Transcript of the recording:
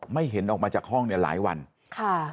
ไม่เห็นออกมาจากห้องเนี่ยหลายวันค่ะ